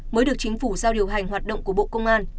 mới được chính phủ giao điều hành hoạt động của bộ công an